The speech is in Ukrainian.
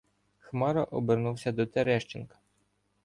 Хмара обернувся до Терещенка.